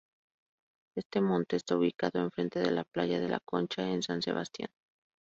Este monte está ubicado enfrente de la Playa de La Concha en San Sebastián.